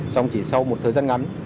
xong chỉ sau một thời gian ngắn